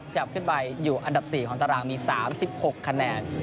จับขึ้นไปอยู่อันดับ๔ของตารางมี๓๖คะแนน